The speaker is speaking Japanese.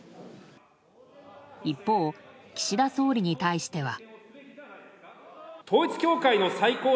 一方、岸田総理に対しては。